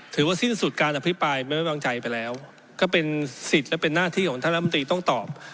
ถือว่าสิ้นสุดการอภิปรายไม่ไว้วางใจไปแล้วก็เป็นสิทธิ์และเป็นหน้าที่ของท่านรัฐมนตรีต้องตอบ